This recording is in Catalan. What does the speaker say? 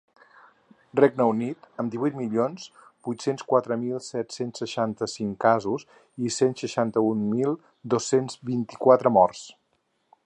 Regne Unit, amb divuit milions vuit-cents quatre mil set-cents seixanta-cinc casos i cent seixanta-un mil dos-cents vint-i-quatre morts.